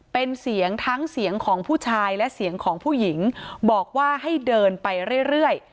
เป็นเสียงทั้งเสียงของผู้ชายและเสียงของผู้หญิงบอกว่าให้เดินไปเรื่อย